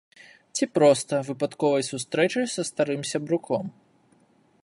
Ці проста выпадковай сустрэчай са старым сябруком.